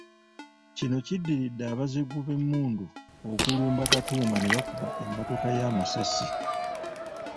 Kino kiddiridde abazigu b’emmundu okulumba Katumba ne bakuba emmotoka ye amasasi.